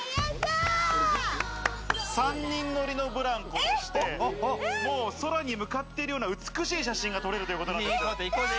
３人乗りのブランコでして、もう空に向かっているような美しい写真が撮れるということです。